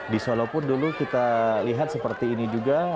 di solo pun dulu kita lihat seperti ini juga